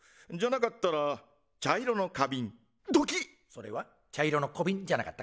それは「茶色の小瓶」じゃなかったかな。